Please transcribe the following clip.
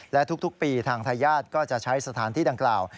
และทุกปีทางทายาทก็จะใช้สถานที่ดังกล่าว